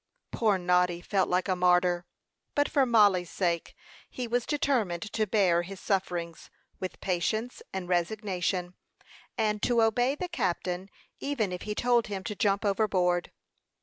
Poor Noddy felt like a martyr; but for Mollie's sake, he was determined to bear his sufferings with patience and resignation, and to obey the captain, even if he told him to jump overboard.